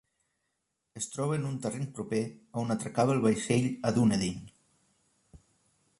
Es troba en un terreny proper a on atracava el vaixell a Dunedin.